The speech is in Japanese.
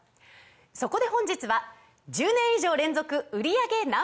そこで本日は１０年以上連続売り上げＮｏ．１